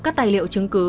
các tài liệu chứng cứ